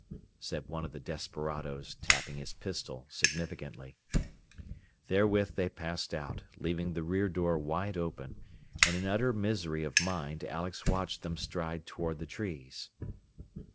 said one of the desperadoes, tapping his pistol significantly. Therewith they passed out, leaving the rear door wide open, and in utter misery of mind Alex watched them stride toward the trees.